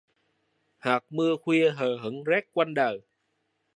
Hạt mưa khuya hờ hững rắc quanh đời